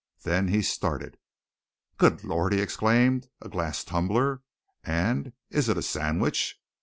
Then he started. "Good Lord!" he exclaimed. "A glass tumbler! And is it a sandwich?